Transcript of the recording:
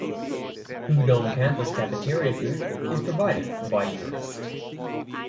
Pudong campus cafeteria food is provided by Eurest.